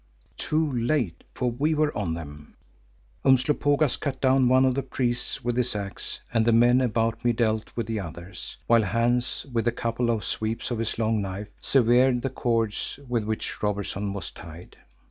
Too late! For we were on them. Umslopogaas cut down one of the priests with his axe, and the men about me dealt with the others, while Hans with a couple of sweeps of his long knife, severed the cords with which Robertson was tied.